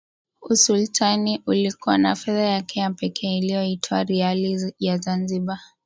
usultani ulikuwa na fedha yake ya pekee iliyoitwa Riali ya Zanzibar